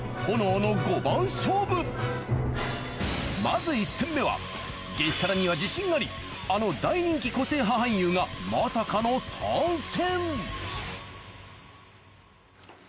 まず１戦目は激辛には自信ありあの大人気個性派俳優がまさかの参戦